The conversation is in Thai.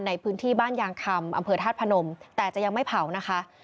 ในพื้นที่บ้านยางคำอำเภอธาตุพนมแต่จะยังไม่เผานะคะ